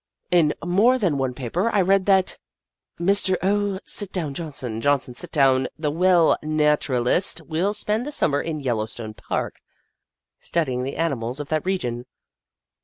In more than one paper I read that " Mr. O. Sitdown Johnson Johnson Sitdown, the well known nat uralist, will spend the Summer in Yellowstone Park, studying the animals of that region."